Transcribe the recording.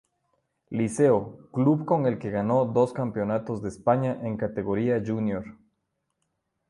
Liceo, club con el que ganó dos campeonatos de España en categoría júnior.